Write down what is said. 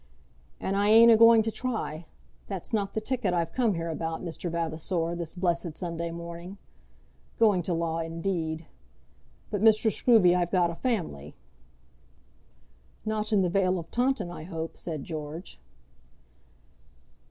"And I ain't a going to try. That's not the ticket I've come here about, Mr. Vavasor, this blessed Sunday morning. Going to law, indeed! But Mr. Scruby, I've got a family." "Not in the vale of Taunton, I hope," said George.